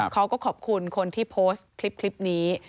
เขาก็ขอบคุณคนที่โพสต์คลิปนี้